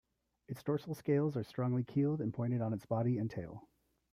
Its dorsal scales are strongly keeled and pointed on its body and tail.